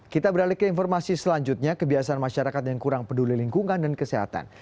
kita beralih ke informasi selanjutnya kebiasaan masyarakat yang kurang peduli lingkungan dan kesehatan